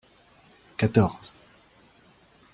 Quatorze.